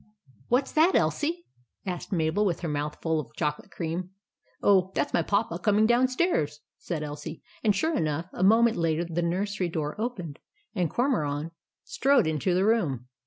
" What s that, Elsie ?" asked Mabel, with her mouth full of chocolate cream. 14 Oh, that 's my Papa coming downstairs," said Elsie; and, sure enough, a moment later the nursery door opened, and Cormoran strode into the room.